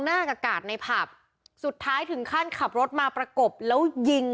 หน้ากาดในผับสุดท้ายถึงขั้นขับรถมาประกบแล้วยิง